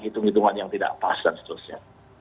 hitung hitungan yang tidak pas dan seterusnya